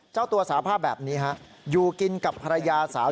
เจ้าตัวสาภาพแบบนี้ฮะอยู่กินกับภรรยาสาว